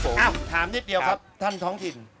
โอ้โหถามนิดเดียวครับท่านท้องชิม